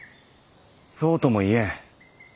そうとも言えん。